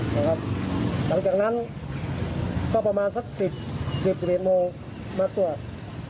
หลังจากนั้นก็ประมาณสัก๑๐๑๑โมงมาตรวจ